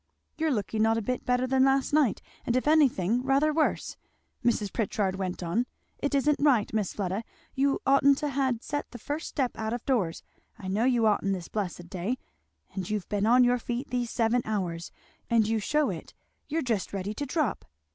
"You're looking not a bit better than last night, and if anything rather worse," Mrs. Pritchard went on. "It isn't right, Miss Fleda. You oughtn't to ha' set the first step out of doors, I know you oughtn't, this blessed day; and you've been on your feet these seven hours, and you shew it! You're just ready to drop."